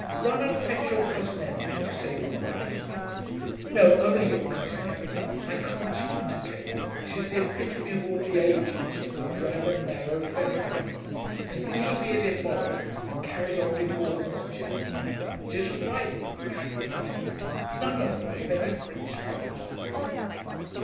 Run and fetch your cousin Emily to say good bye to me. No, only your cousin Emily; I can't speak to Kate, she's the epitome of all the ages of the drab and narrow feminine. And Evie is immoral, and carries on with Gordon's jam. It isn't right that you should be here. None of them have any principles.'